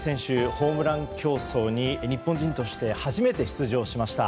ホームラン競争に日本人として初めて出場しました。